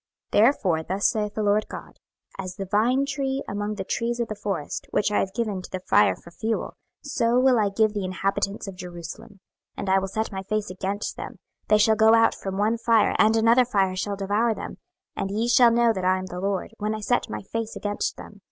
26:015:006 Therefore thus saith the Lord GOD; As the vine tree among the trees of the forest, which I have given to the fire for fuel, so will I give the inhabitants of Jerusalem. 26:015:007 And I will set my face against them; they shall go out from one fire, and another fire shall devour them; and ye shall know that I am the LORD, when I set my face against them.